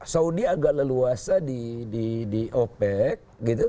saudi agak leluasa di opec